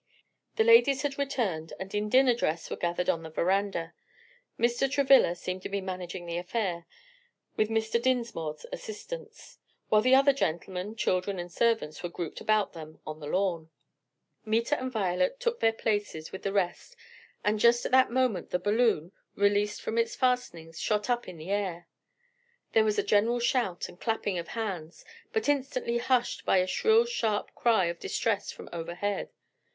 The ladies had returned and in dinner dress were gathered on the veranda. Mr. Travilla seemed to be managing the affair, with Mr. Dinsmore's assistance, while the other gentlemen, children and servants, were grouped about them on the lawn. Meta and Violet quickly took their places with the rest and just at that moment the balloon, released from its fastenings, shot up into the air. There was a general shout and clapping of hands, but instantly hushed by a shrill sharp cry of distress from overhead.